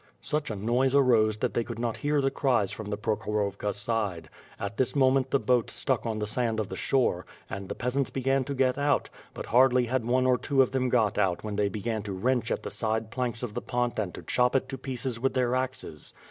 Such a noise arose that they could not hear the cries from the Prokhorovka side. At this moment the boat stuck on the sand of the shore, and the peasants began to get out; but hardly had one or two of them got out when they began to wrench at the side planks of the pent and to chop it to pieces with their axes.